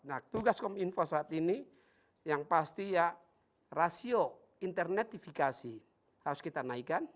nah tugas kominfo saat ini yang pasti ya rasio internetifikasi harus kita naikkan